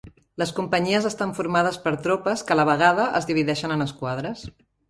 Les companyies estan formades per tropes que a la vegada, es divideixen en esquadres.